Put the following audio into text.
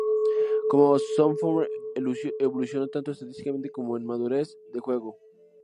Como sophomore evolucionó tanto estadísticamente como en madurez de juego.